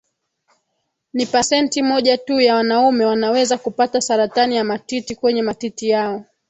ni pacenti moja tu ya wanaume wanaweza kupata saratani ya matiti kwenye matiti yao